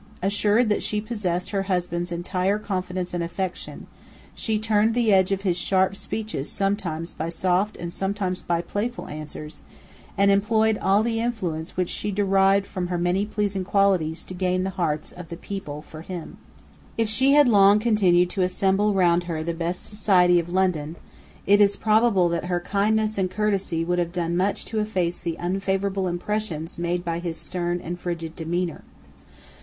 Assured that she possessed her husband's entire confidence and affection, she turned the edge of his sharp speeches sometimes by soft and sometimes by playful answers, and employed all the influence which she derived from her many pleasing qualities to gain the hearts of the people for him. If she had long continued to assemble round her the best society of London, it is probable that her kindness and courtesy would have done much to efface the unfavourable impression made by his stern and frigid demeanour.